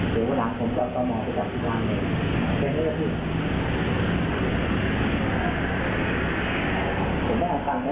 เดี๋ยววันหลังผมจะต้องหมอไปกลับที่กลางเลยแค่นี้นะพี่